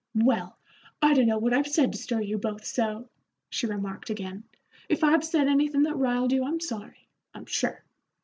"Well, I dunno what I've said to stir you both so," she remarked again. "If I've said anythin' that riled you, I'm sorry, I'm sure.